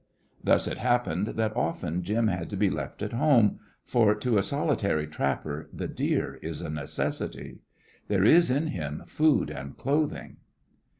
Thus it happened that often Jim had to be left at home, for to a solitary trapper the deer is a necessity. There is in him food and clothing.